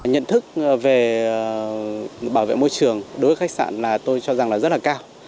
nhận thức về bảo vệ môi trường đối với khách sạn là tôi cho rằng là rất là cao